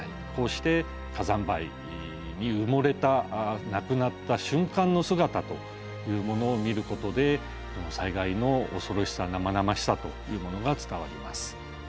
こうして火山灰に埋もれた亡くなった瞬間の姿というものを見ることで災害の恐ろしさ生々しさというものが伝わります。